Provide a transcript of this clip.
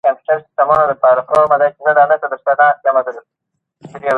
د ژبې د املاء معیار کول خورا مهم دي.